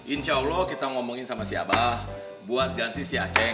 insya allah kita ngomongin sama si abah buat ganti si aceh